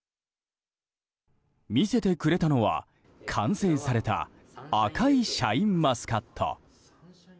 見せてくれたのは、完成された赤いシャインマスカット。